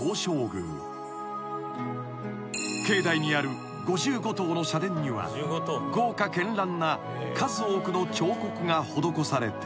［境内にある５５棟の社殿には豪華絢爛な数多くの彫刻が施されている］